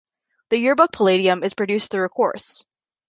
The yearbook "Palladium" is produced through a course.